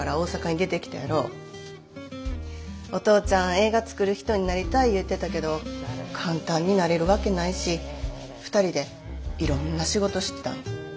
映画作る人になりたい言うてたけど簡単になれるわけないし２人でいろんな仕事してたんや。